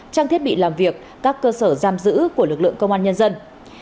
trang thiết bị làm việc các cơ sở giam giữ của lực lượng công an nhân dân